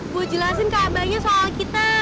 gue jelasin ke abahnya soal kita